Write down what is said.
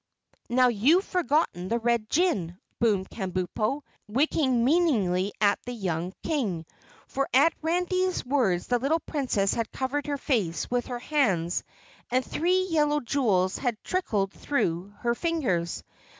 "Now you've forgotten the Red Jinn," boomed Kabumpo, winking meaningly at the young King, for at Randy's words the little Princess had covered her face with her hands and three yellow jewels had trickled through her fingers.